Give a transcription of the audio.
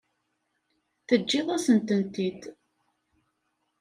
Teǧǧiḍ-asent-tent-id.